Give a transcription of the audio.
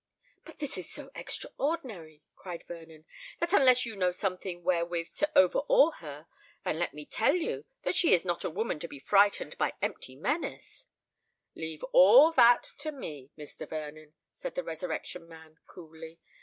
"But this is so extraordinary," cried Vernon, "that unless you know something wherewith to over awe her—and let me tell you that she is not a woman to be frightened by empty menace——" "Leave all that to me, Mr. Vernon," said the Resurrection Man, coolly.